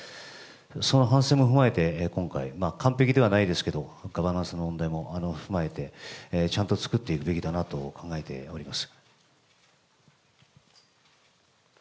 その反省も踏まえて、今回、完璧ではないですけど、ガバナンスの問題も踏まえて、ちゃんと作っていくべきだなと考えております。